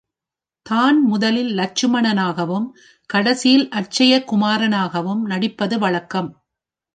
தான் முதலில் இலட்சுமணனுகவும் கடைசியில் அட்சய குமாரனாகவும் நடிப்பது வழக்கம்.